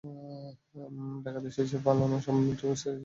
ডাকাতি শেষে পালানোর সময় মিন্টুর স্ত্রী চিৎকার দিলে প্রতিবেশীরা ছুটে আসে।